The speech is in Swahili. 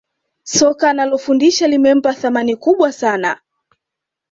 Soka analofundisha limempa thamani kubwa sana